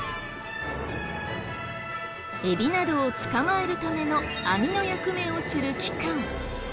エビなどを捕まえるための網の役目をする器官。